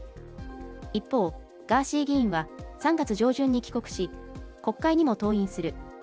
一方、ガーシー議員は、３月上旬に帰国し、国会にも登院する。